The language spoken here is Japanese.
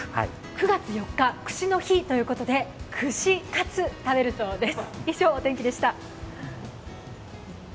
９月４日、串の日ということで、串カツ、食べるそうです。